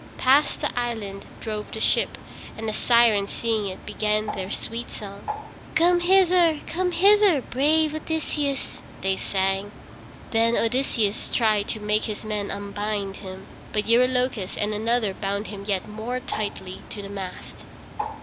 Past the island drove the ship, and the Sirens seeing it began their sweet song. "Come hither, come hither, brave Odysseus," they sang. Then Odysseus tried to make his men unbind him, but Eurylochus and another bound him yet more tightly to the mast.